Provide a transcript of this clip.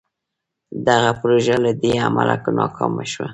دغه پروژه له دې امله ناکامه شوه.